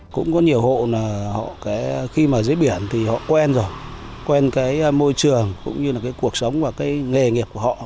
cũng có nhiều hộ khi dưới biển quen môi trường cuộc sống và nghề nghiệp của họ